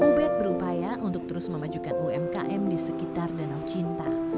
ubed berupaya untuk terus memajukan umkm di sekitar danau cinta